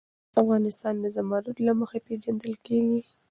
افغانستان د زمرد له مخې پېژندل کېږي.